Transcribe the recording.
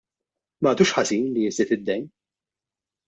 M'għadux ħażin li jiżdied id-dejn!